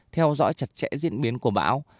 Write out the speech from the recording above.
theo dõi chặt chẽ diễn biến của bão